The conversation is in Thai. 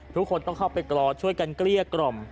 ทุกคนต้องเข้าไปกอดช่วยกันเกลี้ยกล่อม